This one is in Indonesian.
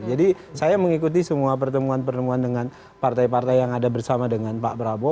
jadi saya mengikuti semua pertemuan pertemuan dengan partai partai yang ada bersama dengan pak prabowo